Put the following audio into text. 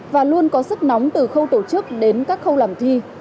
và luôn có sức nóng từ khâu tổ chức đến các khâu làm thi